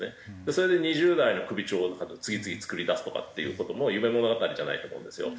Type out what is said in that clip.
それで２０代の首長とか次々作り出すとかっていう事も夢物語じゃないと思うんですよ。